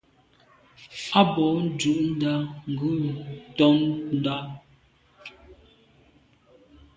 A bwô ndù ndà ghù ntôndà.